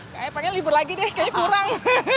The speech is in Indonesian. kayaknya pengen libur lagi deh kayaknya kurang